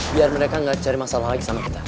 biar mereka nggak cari masalah lagi sama kita